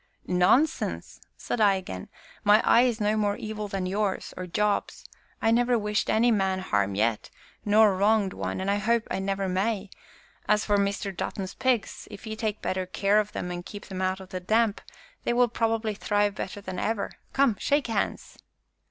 "Nonsense!" said I again; "my eye is no more evil than yours or Job's. I never wished any man harm yet, nor wronged one, and I hope I never may. As for Mr. Dutton's pigs, if he take better care of them, and keep them out of the damp, they will probably thrive better than ever come, shake hands!"